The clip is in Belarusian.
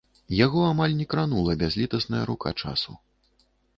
Яго амаль не кранула бязлітасная рука часу.